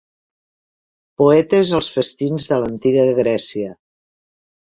Poetes als festins de l'antiga Grècia.